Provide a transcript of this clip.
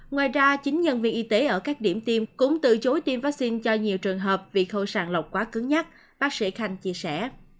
ngoài ra chính nhân viên y tế ở các điểm tiêm cũng từ chối tiêm vaccine cho nhiều trường hợp bị khâu sàng lọc quá cứng nhắc bác sĩ khanh chia sẻ